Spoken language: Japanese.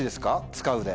使うで。